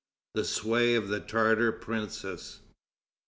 THE SWAY OF THE TARTAR PRINCES.